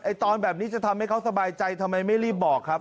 ตอนแบบนี้จะทำให้เขาสบายใจทำไมไม่รีบบอกครับ